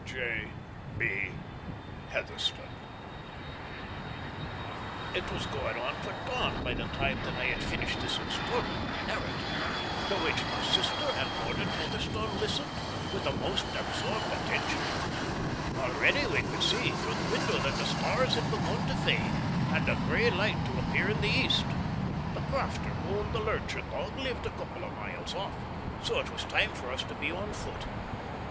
"J. B. HEATHERSTONE." It was going on for dawn by the time that I had finished this extraordinary narrative, to which my sister and Mordaunt Heatherstone listened with the most absorbed attention. Already we could see through the window that the stars had begun to fade and a grey light to appear in the east. The crofter who owned the lurcher dog lived a couple of miles off, so it was time for us to be on foot.